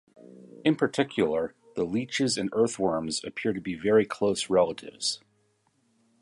In particular, the leeches and earthworms appear to be very close relatives.